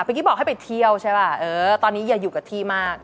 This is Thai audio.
กีบอกให้ไปเที่ยวใช่ป่ะเออตอนนี้อย่าอยู่กับที่มาก